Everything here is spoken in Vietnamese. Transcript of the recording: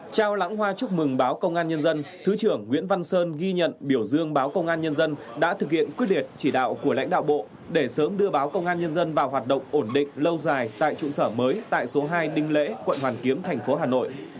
trao lãng hoa chúc mừng báo công an nhân dân thứ trưởng nguyễn văn sơn ghi nhận biểu dương báo công an nhân dân đã thực hiện quyết liệt chỉ đạo của lãnh đạo bộ để sớm đưa báo công an nhân dân vào hoạt động ổn định lâu dài tại trụ sở mới tại số hai đinh lễ quận hoàn kiếm thành phố hà nội